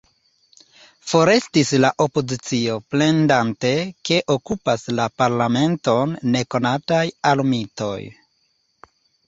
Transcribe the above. Forestis la opozicio, plendante, ke okupas la parlamenton nekonataj armitoj.